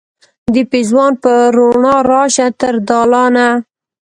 د پیزوان په روڼا راشه تر دالانه